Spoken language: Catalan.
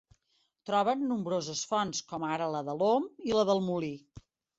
Trobem nombroses fonts com ara la de l'Om i la del Molí.